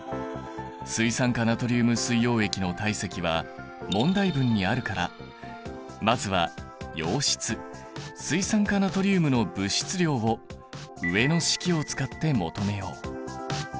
水酸化ナトリウム水溶液の体積は問題文にあるからまずは溶質水酸化ナトリウムの物質量を上の式を使って求めよう。